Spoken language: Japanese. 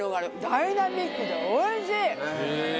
ダイナミックでおいしい！